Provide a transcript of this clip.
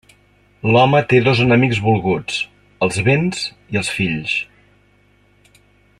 L'home té dos enemics volguts: els béns i els fills.